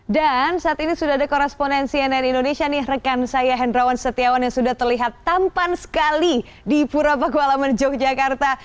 dan saat ini sudah ada koresponen cnn indonesia nih rekan saya hendrawan setiawan yang sudah terlihat tampan sekali di puro paku alaman yogyakarta